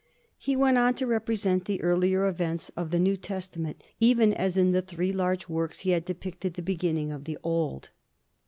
He went on to represent the earlier events of the New Testament, even as in the three large works he had depicted the beginning of the Old.